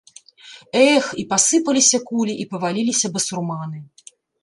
Эх, і пасыпаліся кулі, і паваліліся басурманы.